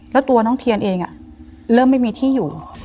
แล้วตัวน้องเทียนเองเริ่มไม่มีที่อยู่